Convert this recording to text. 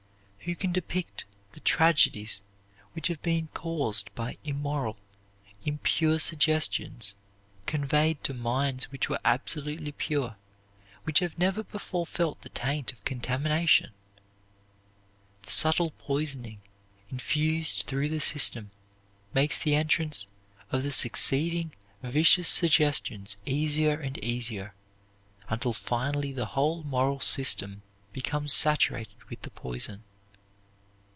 Who can depict the tragedies which have been caused by immoral, impure suggestion conveyed to minds which were absolutely pure, which have never before felt the taint of contamination? The subtle poisoning infused through the system makes the entrance of the succeeding vicious suggestions easier and easier, until finally the whole moral system becomes saturated with the poison.